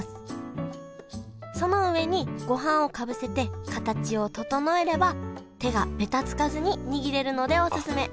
その上にごはんをかぶせて形を整えれば手がべたつかずに握れるのでおすすめあっ